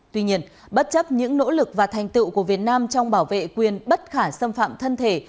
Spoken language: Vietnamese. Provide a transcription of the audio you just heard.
tuy nhiên bất chấp những nỗ lực và thành tựu của việt nam trong bảo vệ quyền bất khả xâm phạm thân thể